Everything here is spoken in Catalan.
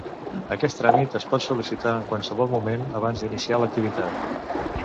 Aquest tràmit es pot sol·licitar en qualsevol moment, abans d'iniciar l'activitat.